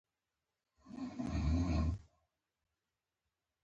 ځمکنی شکل د افغانستان په اوږده تاریخ کې ذکر شوې ده.